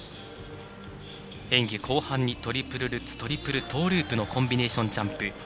演技後半にトリプルルッツトリプルトーループのコンビネーションジャンプ。